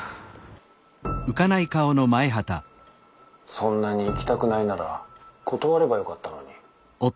そんなに行きたくないなら断ればよかったのに。